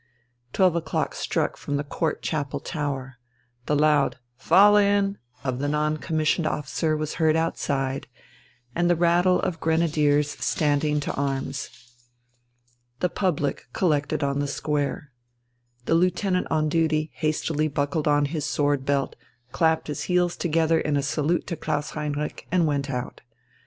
Twelve o'clock struck from the Court Chapel tower. The loud "Fall in!" of the non commissioned officer was heard outside, and the rattle of grenadiers standing to arms. The public collected on the square. The lieutenant on duty hastily buckled on his sword belt, clapped his heels together in a salute to Klaus Heinrich and went out.